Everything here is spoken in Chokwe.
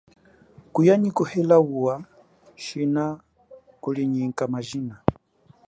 Kuya nyi kuhela uwa, shina kulinyika majina.